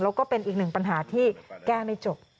แล้วก็เป็นอีกหนึ่งปัญหาที่แก้ไม่จบ